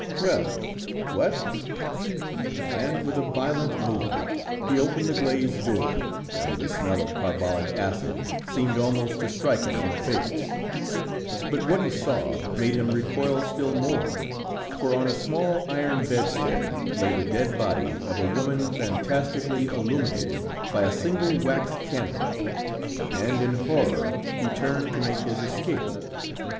"Well, what?" And with a violent movement, he opened the glazed door, when the smell of carbolic acid seemed almost to strike him in the face, but what he saw, made him recoil still more, for on a small iron bedstead, lay the dead body of a woman fantastically illuminated by a single wax candle, and in horror he turned to make his escape.